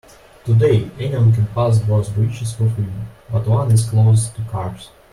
Today, anyone can pass both bridges for free, but one is closed to cars.